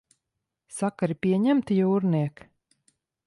Sakari pieņemti, jūrniek?